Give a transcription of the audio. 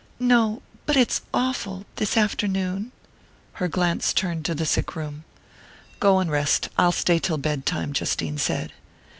"No but it's awful...this afternoon...." Her glance turned to the sick room. "Go and rest I'll stay till bedtime," Justine said.